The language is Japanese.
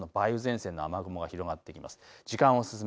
前線の雨雲が広がってきます。